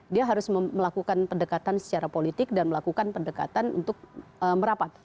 dia harus melakukan pendekatan secara politik dan melakukan pendekatan untuk merapat